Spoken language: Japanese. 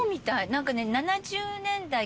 何かね。